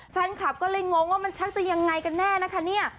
แฟนคลับก็เลยงงว่ามันชะเงียงอะไรกันแน่นี่